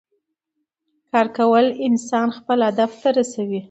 کار کول انسان خپل هدف ته رسوي